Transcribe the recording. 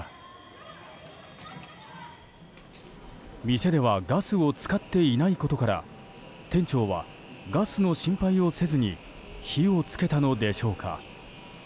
店ではガスを使っていないことから店長はガスの心配をせずに火を付けたのでしょうか。